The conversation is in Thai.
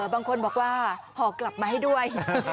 บางคนบอกว่าห่อกลับมาให้ด้วย